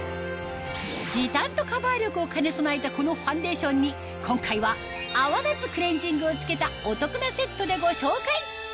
時短とカバー力を兼ね備えたこのファンデーションに今回は泡立つクレンジングを付けたお得なセットでご紹介